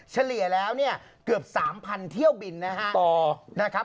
เฉลี่ยแล้วเนี่ยเกือบ๓๐๐เที่ยวบินนะครับ